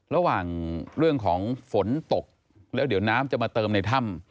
ระหว่างเรื่องของฝนตกแล้วเดี๋ยวน้ำจะมาเติมในถ้ำ